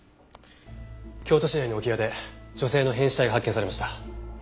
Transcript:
京都市内の置屋で女性の変死体が発見されました。